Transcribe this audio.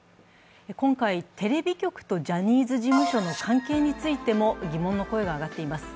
今回、テレビ局とジャニーズ事務所の関係についても疑問の声が上がっています。